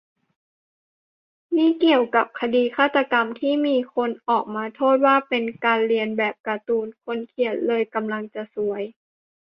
นี่เกี่ยวกับคดีฆาตกรรม ที่มีคนออกมาโทษว่า เป็นการเลียนแบบการ์ตูน คนเขียนเลยกำลังจะซวย